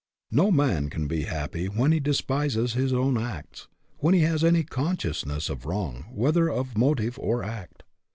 No man can be happy when he despises his own acts, when he has any consciousness of wrong, whether of motive or act.